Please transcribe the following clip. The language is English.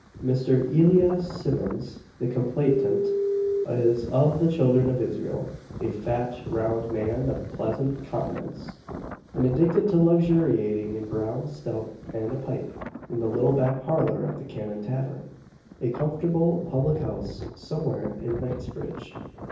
Mr. Elias Simmons, the complainant, is of the children of Israel; a fat, round man, of a pleasant countenance, and addicted to luxuriating in brown stout and a pipe, in the little back parlour at the Cannon Tavern a comfortable public house, somewhere in Knightsbridge.